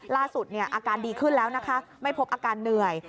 ล่าสุดอาการดีขึ้นแล้วนะคะไม่พบอาการเหนื่อย